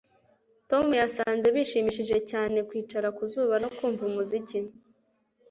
tom yasanze bishimishije cyane kwicara ku zuba no kumva umuziki